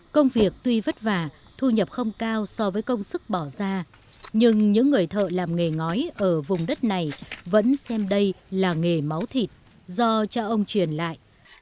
công việc tuy vất vả thu nhập không cao so với công sức bỏ ra nhưng những người thợ làm nghề ngói ở vùng đất này vẫn xem đây là nghề máu thịt do cha ông truyền lại